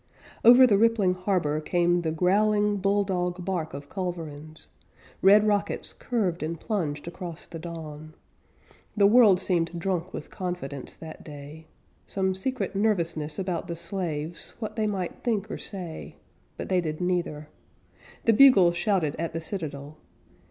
Over the rippling harbor came The growling, bull dog bark of culverins, Red rockets curved and plunged Across the dawn. The world seemed drunk with confidence That day Some secret nervousness about the slaves; What they might think or say; But they did neither; The bugles shouted at the Citadel.